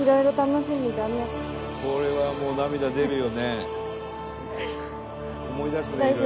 「これはもう涙出るよね」